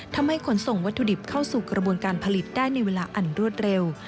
ขนส่งวัตถุดิบเข้าสู่กระบวนการผลิตได้ในเวลาอันรวดเร็ว